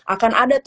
akan ada deh